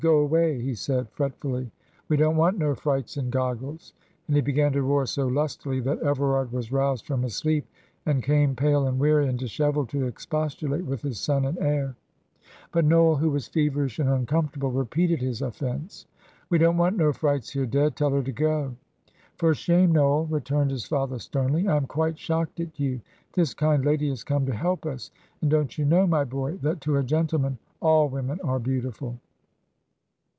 "Go away," he said, fretfully; "we don't want no frights in goggles;" and he began to roar so lustily that Everard was roused from his sleep and came, pale and weary and dishevelled, to expostulate with his son and heir. But Noel, who was feverish and uncomfortable, repeated his offence. "We don't want no frights here, dad. Tell her to go." "For shame, Noel," returned his father, sternly. "I am quite shocked at you. This kind lady has come to help us; and don't you know, my boy, that to a gentleman all women are beautiful?"